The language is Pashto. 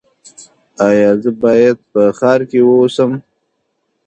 ایا زه باید په ښار کې اوسم؟